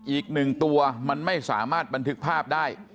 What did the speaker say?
อีกหนึ่งตัวมันไม่สามารถบันทึกภาพได้